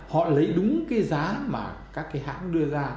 họ lấy đúng cái giá mà các cái hãng đưa ra